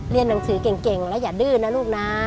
เรียนหนังสือเก่งแล้วอย่าดื้อนะลูกนะ